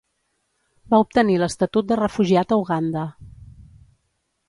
Va obtenir l'estatut de refugiat a Uganda.